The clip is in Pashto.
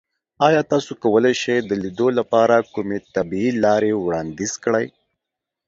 ایا تاسو کولی شئ د لیدو لپاره کومې طبیعي لارې وړاندیز کړئ؟